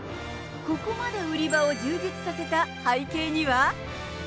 ここまで売り場を充実させた背景には。